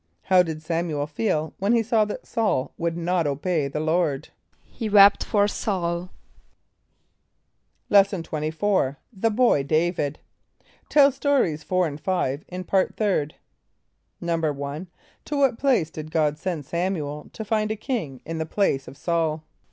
= How did S[)a]m´u el feel when he saw that S[a:]ul would not obey the Lord? =He wept for S[a:]ul.= Lesson XXIV. The Boy David. (Tell Stories 4 and 5 in Part Third.) =1.= To what place did God send S[)a]m´u el to find a king in the place of S[a:]ul?